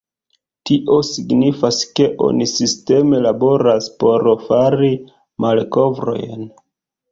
Tio signifas ke oni sisteme laboras por fari malkovrojn.